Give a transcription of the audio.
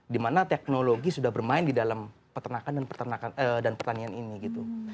dimana teknologi sudah bermain di dalam peternakan dan pertanian ini gitu